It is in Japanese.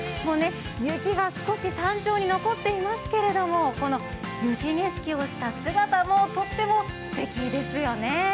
雪が少し山頂に残っていますけどもこの雪景色をした姿もとってもすてきですよね。